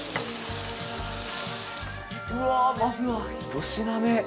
うわまずはひと品目。